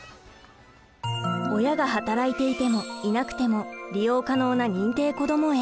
親が働いていてもいなくても利用可能な認定こども園。